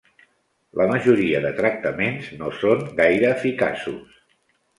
La majoria de tractaments no són gaire eficaços.